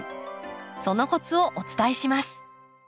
そのコツをお伝えします。